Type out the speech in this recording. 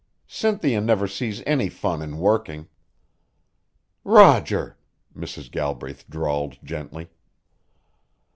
"Cynthia never sees any fun in working." "Roger!" Mrs. Galbraith drawled gently.